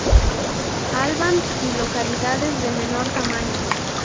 Albans y localidades de menor tamaño.